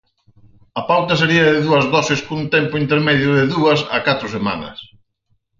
A pauta sería de dúas doses cun tempo intermedio de dúas a catro semanas.